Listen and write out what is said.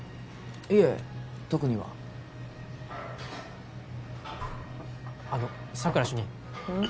いえ特にはあの佐久良主任うん？